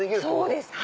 そうです。